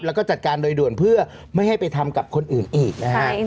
แล้วก็จัดการโดยด่วนเพื่อไม่ให้ไปทำกับคนอื่นอีกนะฮะ